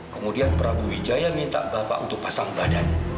kemudian prabu wijaya minta bapak untuk pasang badan